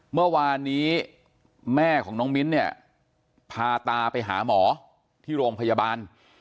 เมื่อวานนี้แม่ของน้องมิ้นเนี่ยพาตาไปหาหมอที่โรงพยาบาล